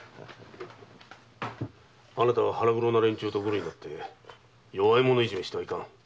あなたは腹黒な連中とぐるになり弱い者いじめしてはいかん。